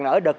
ở đợt một